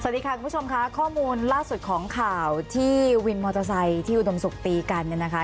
สวัสดีค่ะคุณผู้ชมค่ะข้อมูลล่าสุดของข่าวที่วินมอเตอร์ไซค์ที่อุดมศุกร์ตีกันเนี่ยนะคะ